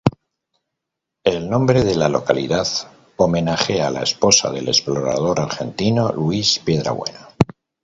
El nombre de la localidad homenajea a la esposa del explorador argentino Luis Piedrabuena.